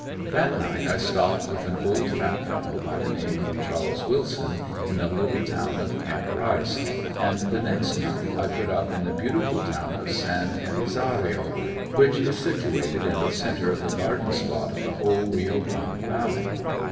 That night I stopped with an old fat fellow by the name of Chas. Willson, in the little town of Camp Rice, and the next night I put up in the beautiful town of San Elizario, which is situated in the centre of the garden spot of the whole Rio Grande valley.